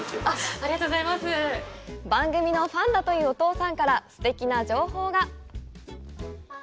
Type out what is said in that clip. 番組のファンだというお父さんからすてきな情報が！